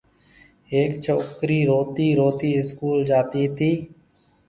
هيَڪ ڇوڪرِي روتِي روتِي اسڪول جاتي تي۔